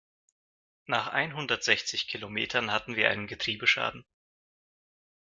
Nach einhundertsechzig Kilometern hatten wir einen Getriebeschaden.